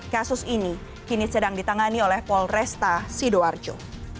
kasus ini kini sedang ditangani oleh polresta sidoarjo